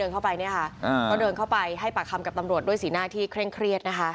เขาเดินเข้าไปให้ปากคำกับตำรวจด้วยสีหน้าที่เคร่งเครียดนะคะ